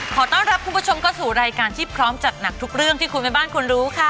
ขอต้อนรับคุณผู้ชมเข้าสู่รายการที่พร้อมจัดหนักทุกเรื่องที่คุณแม่บ้านควรรู้ค่ะ